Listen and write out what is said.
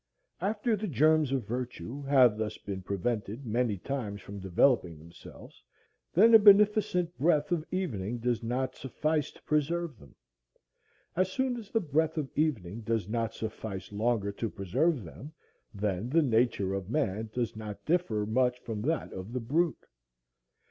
"After the germs of virtue have thus been prevented many times from developing themselves, then the beneficent breath of evening does not suffice to preserve them. As soon as the breath of evening does not suffice longer to preserve them, then the nature of man does not differ much from that of the brute.